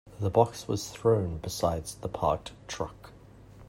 The box was thrown beside the parked truck.